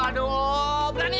aduh aduh aduh aduh